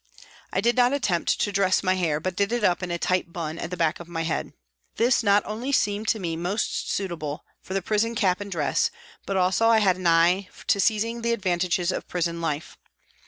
I did not attempt to dress my hair, but did it up in a tight " bun " at the back of my head. This not only seemed to me most suitable for the prison cap and dress, but also I had an eye to seizing the advantages of the prison life.